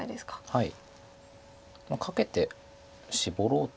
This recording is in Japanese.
はい。